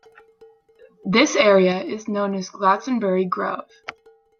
This area is known as Glastonbury Grove.